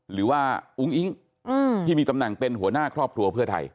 อุ้งอิ๊งที่มีตำแหน่งเป็นหัวหน้าครอบครัวเพื่อไทย